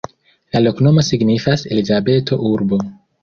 La loknomo signifas: Elizabeto-urbo.